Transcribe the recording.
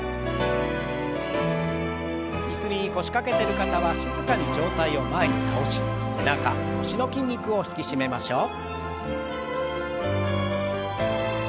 椅子に腰掛けてる方は静かに上体を前に倒し背中腰の筋肉を引き締めましょう。